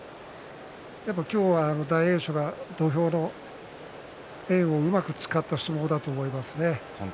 今日は大栄翔が土俵の円をうまく使った相撲だと思いますね。